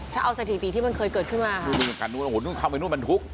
ถ้าเอาสถิติที่มันเคยเกิดขึ้นมาค่ะนู่นโอ้โหนู่นเข้าไปนู่นบรรทุก